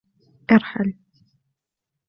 ارحل.